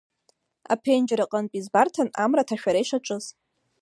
Аԥенџьыр аҟынтәи избарҭан амра аҭашәара ишаҿыз.